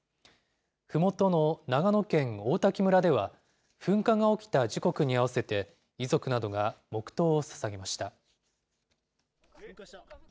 ふもとの長野県大滝村では、噴火が起きた時刻に合わせて、遺族などが黙とうをささげました。